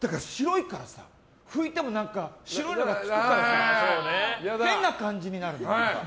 拭いても、白いのがつくからさ変な感じになるの。